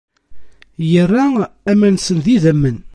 Irra aman-nsen d idammen.